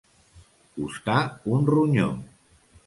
Costar un ronyó.